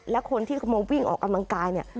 และคนที่เขามาวิ่งออกกำลังกายเนี่ย